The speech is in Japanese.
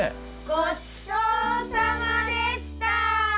ごちそうさまでした！